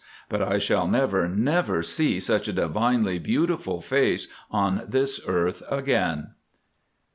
but I shall never, never see such a divinely beautiful face on this earth again."